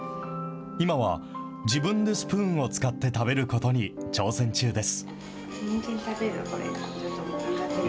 今は、自分でスプーンを使って食べることに挑戦中です。